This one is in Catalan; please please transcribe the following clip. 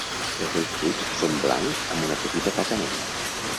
Els seus fruits són blancs amb una petita taca negra.